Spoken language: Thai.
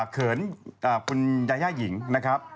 เขินคุณยาย่าหญิงนะครับ